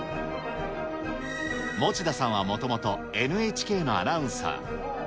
持田さんはもともとＮＨＫのアナウンサー。